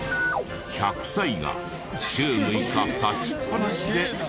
１００歳が週６日立ちっぱなしでテキパキと。